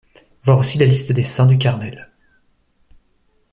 Voir aussi la Liste des saints du Carmel.